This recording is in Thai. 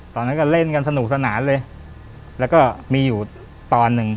ตอนนั้นก็เล่นกันสนุกสนานเลยแล้วก็มีอยู่ตอนหนึ่ง